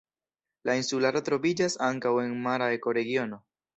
La insularo troviĝas ankaŭ en mara ekoregiono.